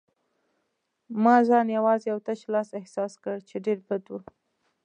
ما ځان یوازې او تش لاس احساس کړ، چې ډېر بد و.